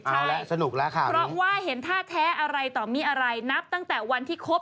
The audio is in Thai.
ใช่เพราะว่าเห็นท่าแท้อะไรต่อมีอะไรนับตั้งแต่วันที่คบ